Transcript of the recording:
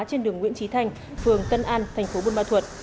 trên đường nguyễn trí thanh phường tân an thành phố buôn ma thuột